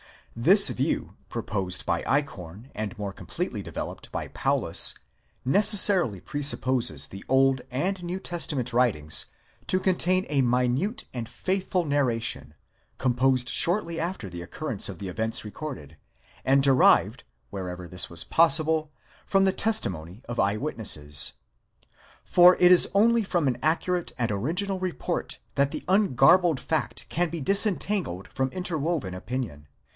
This view proposed by Eichhorn, and more completely developed by Paulus, necessarily presupposes the Old and New Testament writings to con tain a minute and faithful narration, composed shortly after the occurrence of the events recorded, and derived, wherever this was possible, from the testi mony of eye witnesses. For it is only from an accurate and original report that the ungarbled fact can be disentangled from interwoven opinion.